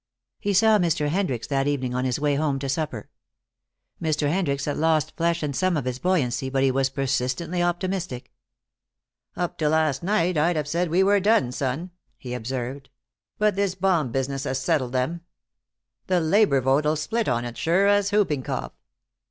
He saw Mr. Hendricks that evening on his way home to supper. Mr. Hendricks had lost flesh and some of his buoyancy, but he was persistently optimistic. "Up to last night I'd have said we were done, son," he observed. "But this bomb business has settled them. The labor vote'll split on it, sure as whooping cough."